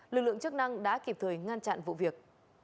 lực lượng chức năng đã kịp thời ngăn chặn vụ việc